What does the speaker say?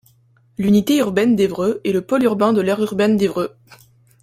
L'unité urbaine d'Évreux est le pôle urbain de l'aire urbaine d'Évreux.